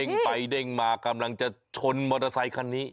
ไปเด้งมากำลังจะชนมอเตอร์ไซคันนี้